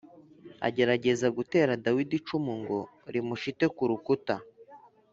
agerageza gutera Dawidi icumu ngo rimushite ku rukuta